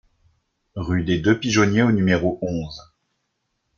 Rue des Deux Pigeonniers au numéro onze